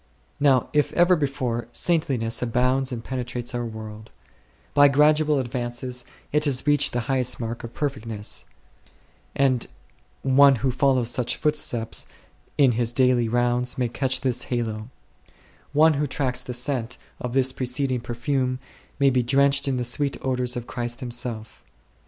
Now, if ever before, saintliness abounds and penetrates our world ; by gradual advances it has reached the highest mark of perfectness ; and one who follows such footsteps in his daily rounds may catch this halo ; one who tracks the scent of this preceding perfume may be drenched in the sweet odours of Christ Himself.